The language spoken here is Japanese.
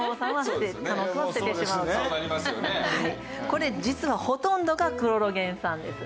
これ実はほとんどがクロロゲン酸です。